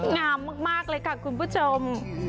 งามมากเลยค่ะคุณผู้ชม